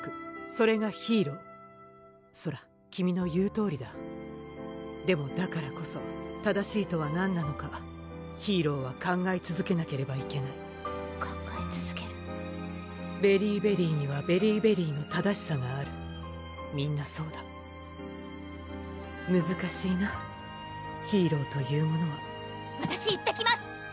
それがヒーローソラ君の言うとおりだでもだからこそ正しいとはなんなのかヒーローは考えつづけなければいけない考えつづけるベリィベリーにはベリィベリーの正しさがあるみんなそうだむずかしいなヒーローというものはわたし行ってきます！